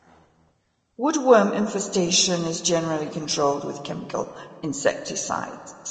Woodworm infestation is generally controlled with chemical insecticides.